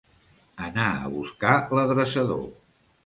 Anar a buscar l'adreçador.